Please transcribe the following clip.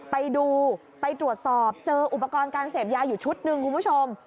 ไปดูไปตรวจสอบเจออุปกรณ์การเสพยาอยู่ชุดหนึ่งคุณผู้ชม